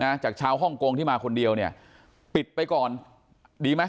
จากชาวฮ่องกงที่มาคนเดียวเนี่ยปิดไปก่อนดีไหม